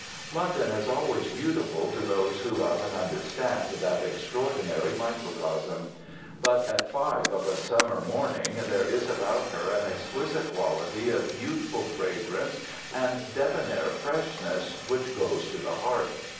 London is always beautiful to those who love and understand that extraordinary microcosm; but at five of a summer morning there is about her an exquisite quality of youthful fragrance and debonair freshness which goes to the heart.